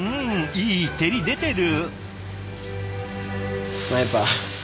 いい照り出てる！